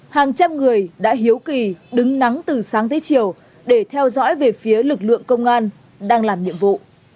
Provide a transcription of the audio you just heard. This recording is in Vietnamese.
hàng trăm người đã hiếu kỳ đứng nắng từ sáng tới chiều để theo dõi về phía lực lượng công an đang làm nhiệm vụ